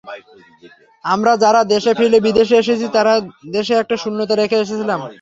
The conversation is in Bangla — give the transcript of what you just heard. আমরা যারা দেশ ফেলে বিদেশে এসেছি তারা দেশে একটা শূন্যতা রেখে এসেছিলাম।